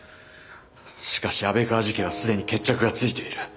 しかし安倍川事件は既に決着がついている。